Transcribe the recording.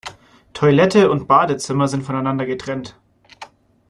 Toilette und Badezimmer sind voneinander getrennt.